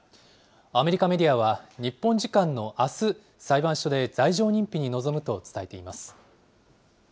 アメリカメディアは、日本時間のあす、裁判所で罪状認否に臨むと伝えています。